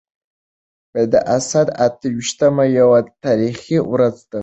د اسد اته ويشتمه يوه تاريخي ورځ ده.